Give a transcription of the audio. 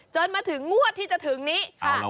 จนมาถึงงวดที่จะถึงนี้ค่ะ